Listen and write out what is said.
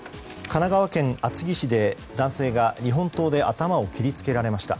神奈川県厚木市で男性が日本刀で頭を切り付けられました。